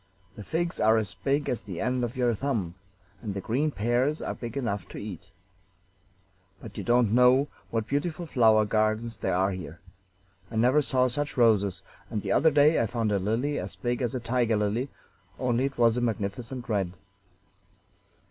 The figs are as big as the end of your thumb, and the green pears are big enough to eat. But you don't know what beautiful flower gardens there are here. I never saw such roses; and the other day I found a lily as big as a tiger lily, only it was a magnificent red."